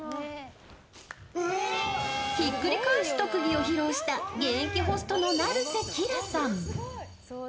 ひっくり返す特技を披露した現役ホストの成瀬キラさん。